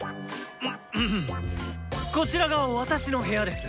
こちらが私の部屋です。